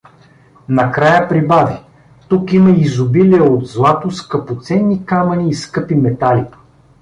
На края прибави: — Тук има изобилие от злато, скъпоценни камъни и скъпи метали.